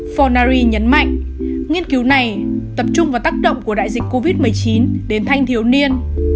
fornary nhấn mạnh nghiên cứu này tập trung vào tác động của đại dịch covid một mươi chín đến thanh thiếu niên